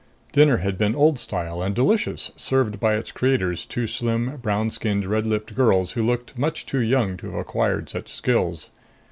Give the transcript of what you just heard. Dinner had been old style and delicious, served by its creators, two slim, brown skinned, red lipped girls who looked much too young to have acquired such skills.